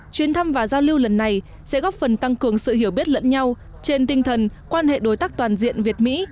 chuyến thăm và giao lưu lần này sẽ góp phần tăng cường sự hiểu biết lẫn nhau trên tinh thần quan hệ đối tác toàn diện việt mỹ